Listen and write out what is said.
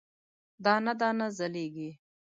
دانه، دانه ځلیږې